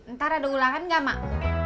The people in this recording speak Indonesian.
ntar ada ulangan nggak mak